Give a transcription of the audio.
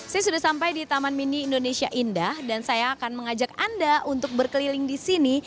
saya sudah sampai di taman mini indonesia indah dan saya akan mengajak anda untuk berkeliling di sini